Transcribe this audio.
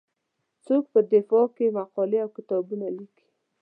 څوک په دفاع کې مقالې او کتابونه لیکي.